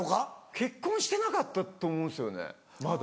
結婚してなかったと思うんですよねまだ。